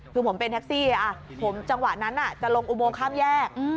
คือผมเป็นแท็กซี่ผมจังหวะนั้นจะลงอุโมงข้ามแยก